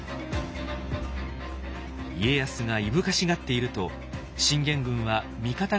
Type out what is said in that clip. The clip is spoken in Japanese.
家康がいぶかしがっていると信玄軍は三方ヶ原台地に上り